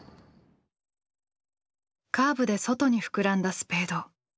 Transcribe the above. カーブで外に膨らんだスペード。